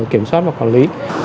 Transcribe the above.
kiểm soát và quản lý